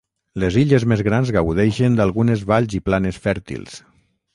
Les illes més grans gaudeixen d'algunes valls i planes fèrtils.